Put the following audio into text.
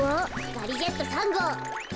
ガリジェット３ごう。